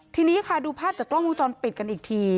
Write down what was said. ทีนี้ค่ะดูภาพจากกล้องวงจรปิดกันอีกที